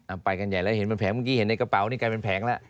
ไปกันใหญ่แล้วเห็นเป็นแผงเมื่อกี้เห็นในกระเป๋านี่กลายเป็นแผงแล้ว